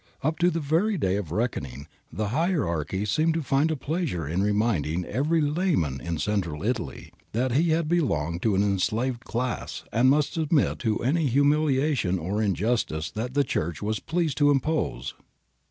Up to the very day of reckoning the hierarchy seemed to find a pleasure in reminding every layman in Central Italy that he be longed to an enslaved class and must submit to any humiliation or injustice that the Church was pleased to impose.